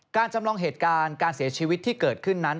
จำลองเหตุการณ์การเสียชีวิตที่เกิดขึ้นนั้น